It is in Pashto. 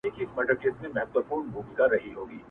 دې ربات ته بې اختیاره یم راغلی٫